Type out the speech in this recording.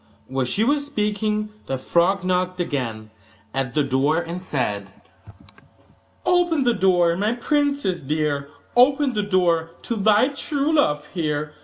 While she was speaking the frog knocked again at the door, and said: 'Open the door, my princess dear, Open the door to thy true love here!